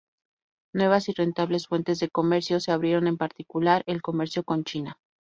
Nuevas y rentables fuentes de comercio se abrieron, en particular el comercio con China.